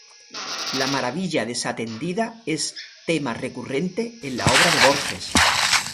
La maravilla desatendida es tema recurrente en la obra de Borges.